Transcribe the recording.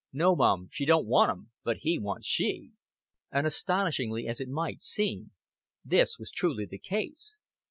"No, mum, she don't want un. But he wants she." And, astonishing as it might seem, this was truly the case.